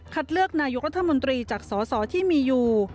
เลือกนายกรัฐมนตรีจากสสที่มีอยู่